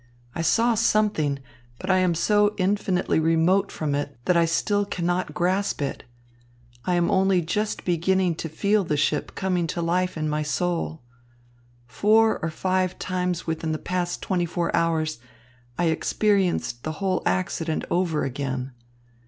I saw something, but I am so infinitely remote from it that I still cannot grasp it. I am only just beginning to feel the ship coming to life in my soul. Four or five times within the past twenty four hours, I experienced the whole accident over again.